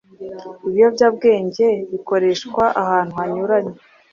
ibiyobyabwenge bikoreshwa ahantu hanyuranye